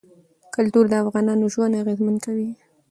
کلتور د افغانانو ژوند اغېزمن کوي.